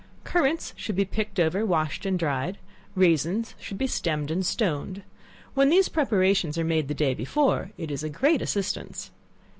Currants should be picked over, washed and dried; raisins should be stemmed and stoned. When these preparations are made the day before, it is a great assistance.